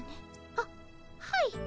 はっはい。